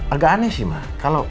agak aneh sih mah